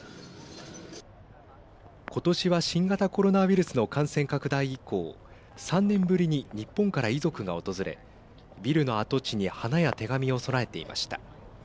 今年は新型コロナウイルスの感染拡大以降３年ぶりに日本から遺族が訪れビルの跡地に花や手紙を供えていました。